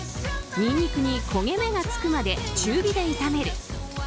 ニンニクに焦げ目がつくまで中火で炒める。